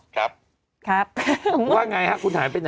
ครับว่าไงคุณหายไปไหน